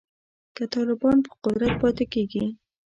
که طالبان په قدرت پاتې کیږي